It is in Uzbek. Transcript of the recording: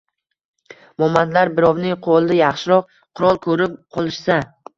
Momandlar birovning qo’lida yaxshiroq qurol ko’rib qolishsa